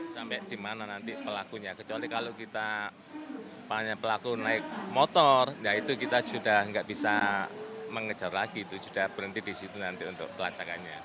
sampai di mana nanti pelakunya kecuali kalau kita pelaku naik motor ya itu kita sudah tidak bisa mengejar lagi itu sudah berhenti di situ nanti untuk pelacakannya